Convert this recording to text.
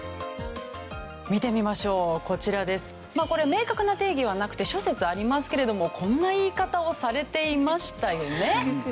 明確な定義はなくて諸説ありますけれどもこんな言い方をされていましたよね。